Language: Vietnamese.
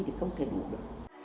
thì không thể đủ